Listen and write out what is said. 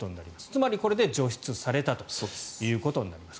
つまり、これで除湿されたということになります。